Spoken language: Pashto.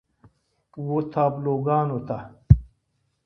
و تابلوګانو ته